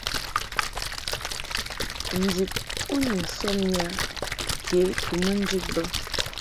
Ndib u ni sɔbni a ke kɨ mɨ njid bə.